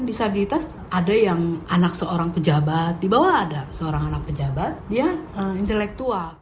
disabilitas ada yang anak seorang pejabat di bawah ada seorang anak pejabat dia intelektual